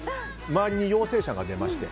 周りに陽性者が出まして。